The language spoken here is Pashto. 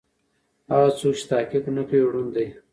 هغه څوک چې تحقيق نه کوي ړوند دی.